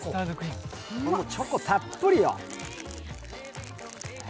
これもチョコたっぷりよ。